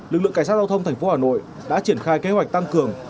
lực lượng cảnh sát giao thông thành phố hà nội đã triển khai kế hoạch tăng cường